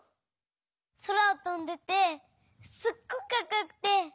そらをとんでてすっごくかっこよくて。